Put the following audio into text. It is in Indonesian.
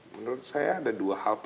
menurut saya ada dua hal